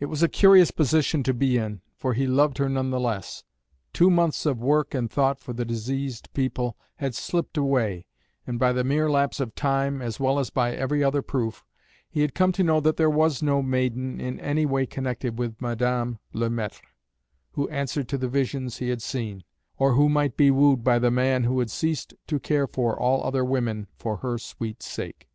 It was a curious position to be in, for he loved her none the less. Two months of work and thought for the diseased people had slipped away, and by the mere lapse of time, as well as by every other proof, he had come to know that there was no maiden in any way connected with Madame Le Maître who answered to the visions he had seen, or who might be wooed by the man who had ceased to care for all other women for her sweet sake.